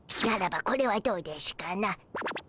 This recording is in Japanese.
ならばこれはどうでしゅかな？